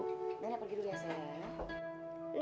nene pergi dulu ya sayang